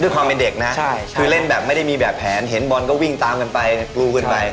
ความเป็นเด็กนะคือเล่นแบบไม่ได้มีแบบแผนเห็นบอลก็วิ่งตามกันไปกรูกันไป